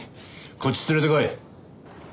こっち連れてこい。